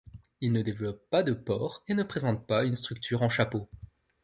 Il ne développe pas de pores et ne présente pas une structure en chapeau.